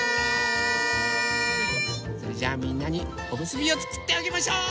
それじゃあみんなにおむすびをつくってあげましょう！